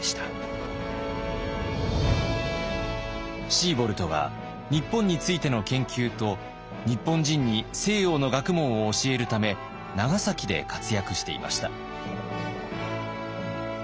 シーボルトは日本についての研究と日本人に西洋の学問を教えるため長崎で活躍していました。